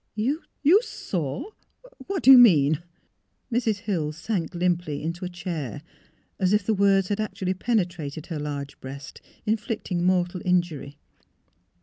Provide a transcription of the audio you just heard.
" You — saw "What do you mean? " Mrs. Hill sank limply into a chair, as if the words had actually penetrated her large breast, inflicting mortal injury.